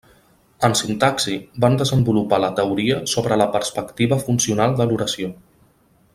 En sintaxi van desenvolupar la teoria sobre la perspectiva funcional de l'oració.